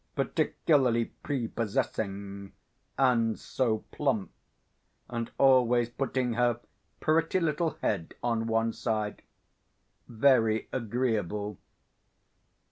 "Particularly prepossessing. And so plump, and always putting her pretty little head on one side.... Very agreeable.